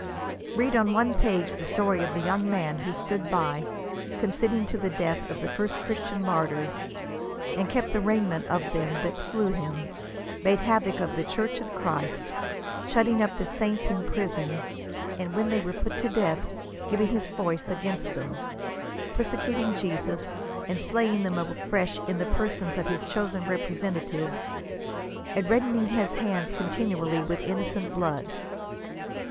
Read on one page the story of the young man who stood by, consenting to the death of the first Christian martyr, and kept the raiment of them that slew him; made havoc of the church of Christ, shut ting up the saints in prison, and when they were put to death giving his voice against them ; persecuting Jesus, and slaying him afresh in the persons of his chosen representatives, and reddening his hands continually with innocent blood.